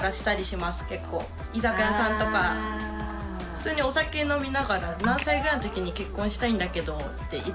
普通にお酒飲みながら「何歳ぐらいの時に結婚したいんだけど」って言ってみたりとか。